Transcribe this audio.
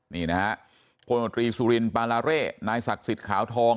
นี่นะฮะพลมตรีสุรินปาลาเร่นายศักดิ์สิทธิ์ขาวทอง